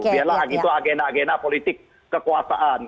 biarlah itu agenda agenda politik kekuasaan